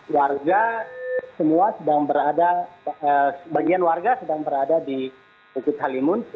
warga semua sedang berada sebagian warga sedang berada di bukit halimun